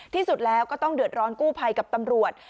ที่สุดแล้วก็ต้องเดือดร้อนกู้ภัยกับตำรวจ